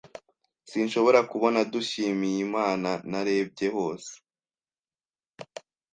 Sinshobora kubona Dushyimiyimana. Narebye hose.